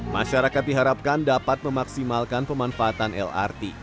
masyarakat diharapkan dapat memaksimalkan pemanfaatan lrt